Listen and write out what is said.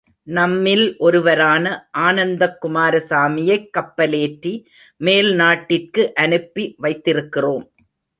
நம்மில் ஒருவரான ஆனந்தக் குமாரசாமியைக் கப்பலேற்றி மேல் நாட்டிற்கு அனுப்பி வைத்திருக்கிறோம்.